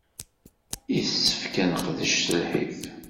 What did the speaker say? Yessefk ad neqdec s lḥif.